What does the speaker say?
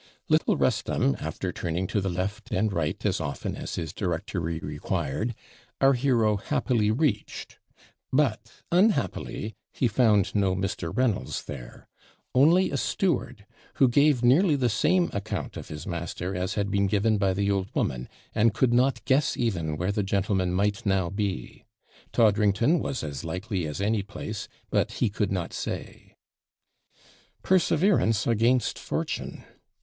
Little Wrestham, after turning to the left and right as often as his directory required, our hero happily reached; but, unhappily, he found no Mr. Reynolds there; only a steward, who gave nearly the same account of his master as had been given by the old woman, and could not guess even where the gentleman might now be. Toddrington was as likely as any place but he could not say. 'Perseverance against fortune.'